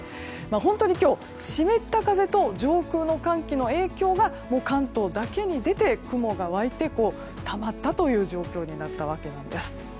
本当に今日は湿った風と上空の寒気の影響が関東だけに出て、雲が湧いてたまったという状況になったんです。